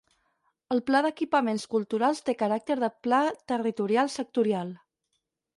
El Pla d'Equipaments Culturals té caràcter de Pla Territorial Sectorial.